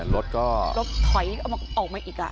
รถถอยออกมาอีกอ่ะ